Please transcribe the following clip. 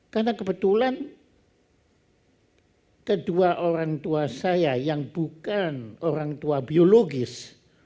karena kebetulan kedua orang tua saya yang bukan orang tua biologis